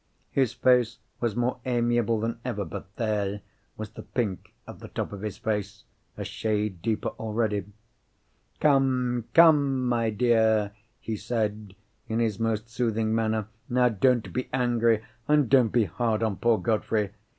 His face was more amiable than ever—but there was the pink at the top of his face, a shade deeper already! "Come, come, my dear!" he said, in his most soothing manner, "now don't be angry, and don't be hard on poor Godfrey!